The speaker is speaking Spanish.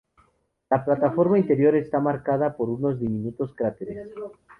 La plataforma interior está marcada por unos diminutos cráteres.